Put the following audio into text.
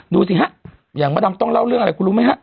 ดูสิฮะอย่างมะดำต้องเล่าเรื่องอะไรคุณรู้ไหมฮะ